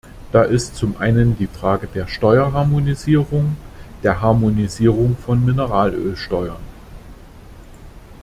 Da ist zum einen die Frage der Steuerharmonisierung, der Harmonisierung von Mineralölsteuern.